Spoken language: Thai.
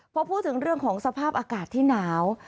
พอพูดถึงเรื่องของสภาพอากาศที่หนาว